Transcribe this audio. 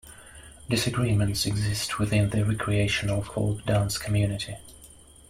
Disagreements exist within the recreational folk dance community.